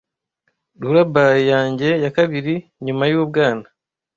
lullaby yanjye ya kabiri nyuma yubwana